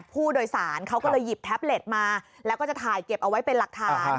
ผู้โดยสารเขาก็เลยหยิบแท็บเล็ตมาแล้วก็จะถ่ายเก็บเอาไว้เป็นหลักฐาน